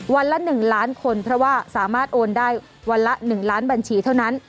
วันละ๑ล้านคนเพราะว่าสามารถโอนได้วันละ๑ล้านบัญชีเท่านั้น